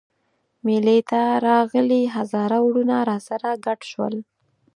مېلې ته راغلي هزاره وروڼه راسره ګډ شول.